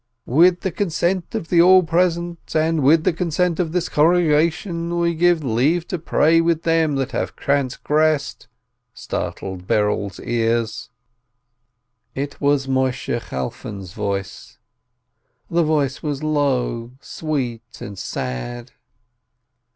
... "With the consent of the All Present and with the consent of this congregation, we give leave to pray with them that have transgressed," startled Berel's ears. It 198 ROSENTHAL was Moisheh Chalfon's voice. The voice was low, sweet, and sad.